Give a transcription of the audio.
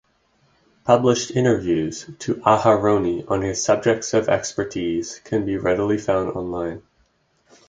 Published interviews to Aharoni on his subjects of expertise can be readily found online.